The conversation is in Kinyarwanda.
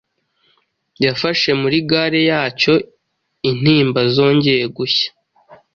Yafashe muri gare yacyo intimba zongeye gushya